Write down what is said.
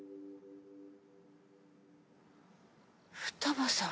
二葉さん。